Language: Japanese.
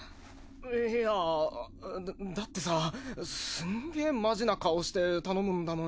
いんやだってさすんげえマジな顔して頼むんだもんよ。